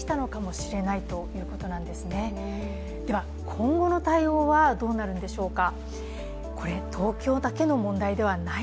今後の対応はどうなるんでしょうか。